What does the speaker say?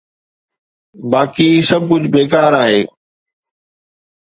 باقي سڀ ڪجهه بيڪار آهي.